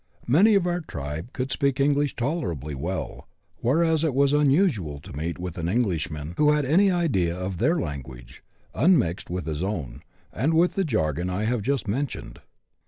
Many of our tribe could speak English tolerably well, whereas it was unusual to meet with an Englishman who had any idea of their language, unmixed with his own, and with the jargon I have just mentioned.